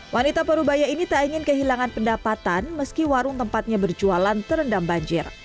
wanita parubaya ini tak ingin kehilangan pendapatan meski warung tempatnya berjualan terendam banjir